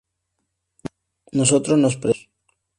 nosotros nos predicamos